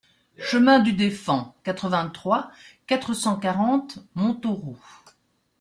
Chemin du Defends, quatre-vingt-trois, quatre cent quarante Montauroux